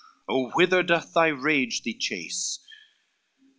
Oh whither doth thy rage thee chase?